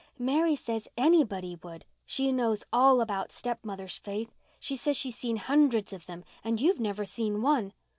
"Mary says anybody would. She knows all about stepmothers, Faith—she says she's seen hundreds of them—and you've never seen one.